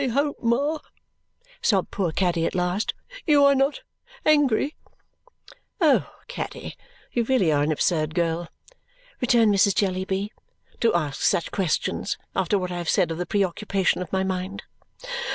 "I hope, Ma," sobbed poor Caddy at last, "you are not angry?" "Oh, Caddy, you really are an absurd girl," returned Mrs. Jellyby, "to ask such questions after what I have said of the preoccupation of my mind."